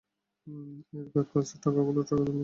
এক কাজ কর, টাকা গুলো ট্রাকে লোড করো।